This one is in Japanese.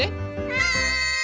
はい！